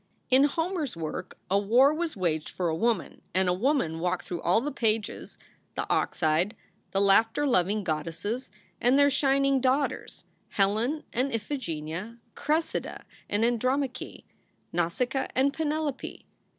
In Homer s work a war was waged for a woman, and women walked through all the pages the 92 SOULS FOR SALE ox eyed, the laughter loving goddesses and their shining daughters, Helen and Iphigenia, Cressida and Andromache, Nausicaa and Penelope.